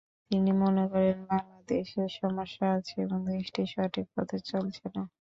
তিনি মনে করেন, বাংলাদেশের সমস্যা আছে এবং দেশটি সঠিক পথে চলছে না।